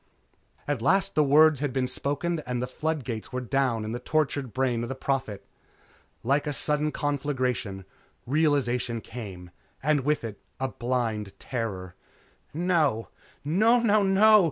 At last the words had been spoken and the flood gates were down in the tortured brain of the Prophet. Like a sudden conflagration, realization came and with it, blind terror. "No! Nonono!